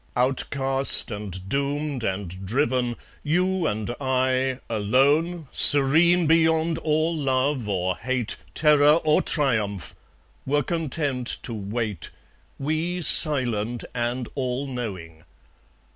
Outcast and doomed and driven, you and I, Alone, serene beyond all love or hate, Terror or triumph, were content to wait, We, silent and all knowing.